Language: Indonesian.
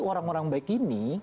orang orang baik ini